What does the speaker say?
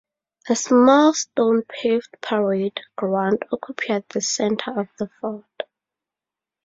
A small stone-paved parade ground occupied the centre of the fort.